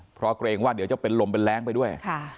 เพราะเกรงว่าเดี๋ยวจะเป็นลมเป็นแรงไปด้วย